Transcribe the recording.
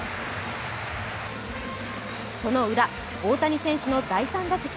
そのウラ、大谷選手の第３打席。